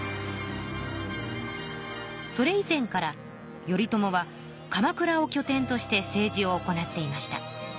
それ以前から頼朝は鎌倉をきょ点として政治を行っていました。